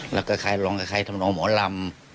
แล้วก็คล้ายร้องคล้ายคล้ายทำร้องหมอรำ